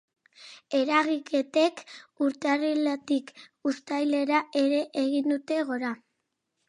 Eragiketek urtarriletik uztailera ere egin dute gora.